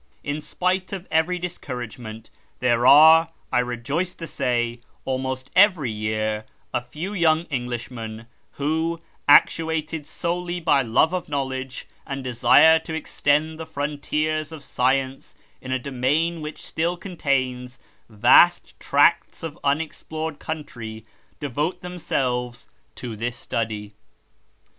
In spite of every discouragement, there are, I rejoice to say, almost every year a few young Englishmen who, actuated solely by love of knowledge and desire to extend the frontiers of science in a domain which still contains vast tracts of unexplored country, devote themselves to this study.